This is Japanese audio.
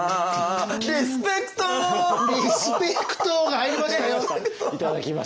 「リスペクト！」が入りましたよ！